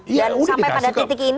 dan sampai pada titik ini